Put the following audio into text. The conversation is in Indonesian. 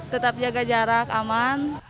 tetap jaga jarak aman